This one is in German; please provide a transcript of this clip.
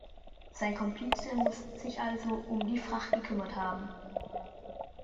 Sein Komplize muss sich also um die Fracht gekümmert haben.